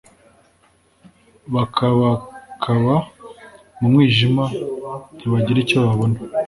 bakabakaba mu mwijima ntibagira icyo babona